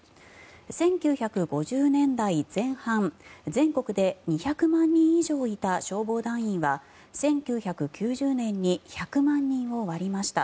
１９５０年代前半全国で２００万人以上いた消防団員は１９９０年に１００万人を割りました。